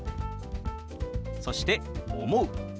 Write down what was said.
そして「思う」。